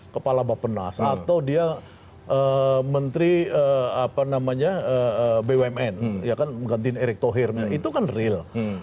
kepala bapak penas atau dia menteri bumn ya kan menggantiin erik tohirnya itu kan real